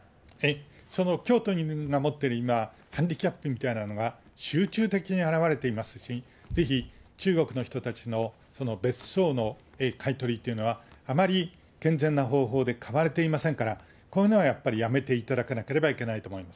その京都が持ってる、今、ハンディキャップみたいなものが集中的に表れていますし、ぜひ中国の人たちの別荘の買い取りというのは、あまり健全な方法で買われていませんから、こういうのはやっぱりやめていただかなければいけないと思います。